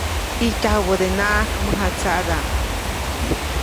ʼIjtyajubädenaʼajk mäjatsaʼdaʼm.